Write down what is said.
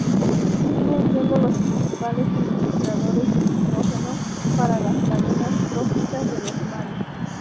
Siguen siendo los principales suministradores de nitrógeno para las cadenas tróficas de los mares.